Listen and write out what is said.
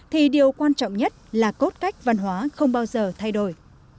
thì điều quan trọng nhất là cốt cách văn hóa không bao giờ thay đổi